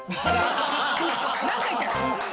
何か言ったら。